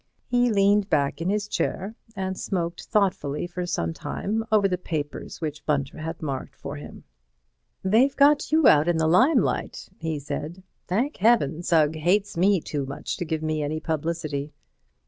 He leaned back in his chair and smoked thoughtfully for some time over the papers which Bunter had marked for him. "They've got you out in the limelight," he said. "Thank Heaven, Sugg hates me too much to give me any publicity.